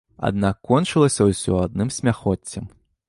Аднак кончылася ўсё адным смяхоццем.